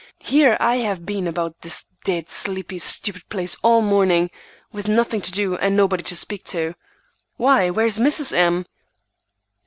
Here I have been about this dead, sleepy, stupid place all the morning, with nothing to do and nobody to speak to!" "Why, where's Mrs. M.?"